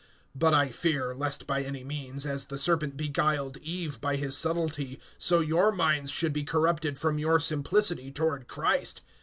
(3)But I fear, lest by any means, as the serpent beguiled Eve by his subtlety, so your minds should be corrupted from your simplicity toward Christ.